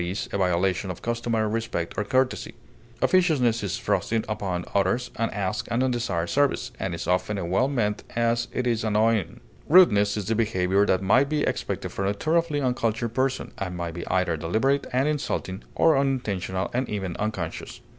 e._, the violation of customary respect and courtesy. Officiousness is thrusting upon others unasked and undesired service, and is often as well meant as it is annoying. Rudeness is the behavior that might be expected from a thoroughly uncultured person, and may be either deliberate and insulting or unintentional and even unconscious.